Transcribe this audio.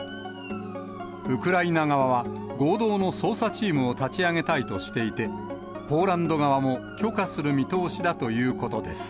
ウクライナ側は、合同の捜査チームを立ち上げたいとしていて、ポーランド側も許可する見通しだということです。